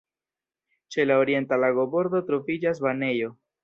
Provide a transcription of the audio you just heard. Ĉe la orienta lagobordo troviĝas banejo.